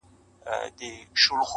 ماته له عمرونو د قسمت پیاله نسکوره سي-